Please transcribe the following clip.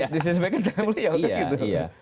di sisi mereka nggak melihat yaudah gitu